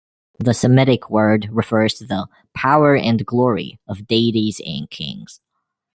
The Semitic word refers to the "power and glory" of deities and kings.